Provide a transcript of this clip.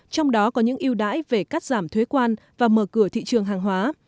trong đó có những yêu đãi về cắt giảm thuế quan và mở cửa thị trường hàng hóa